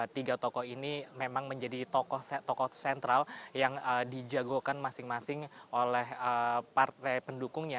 tiga tokoh ini memang menjadi tokoh sentral yang dijagokan masing masing oleh partai pendukungnya